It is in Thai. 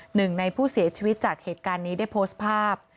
หนึ่งในผู้เสียชีวิตจากเหตุการณ์นี้ได้โพสต์ภาพ